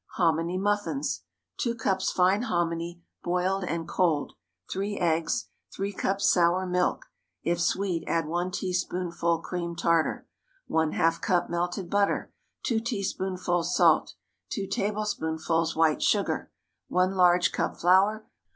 HOMINY MUFFINS. ✠ 2 cups fine hominy—boiled and cold. 3 eggs. 3 cups sour milk. If sweet, add one teaspoonful cream tartar. ½ cup melted butter. 2 teaspoonfuls salt. 2 tablespoonfuls white sugar. 1 large cup flour.